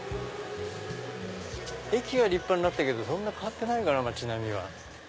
駅は立派になったけどそんな変わってないかな街並み。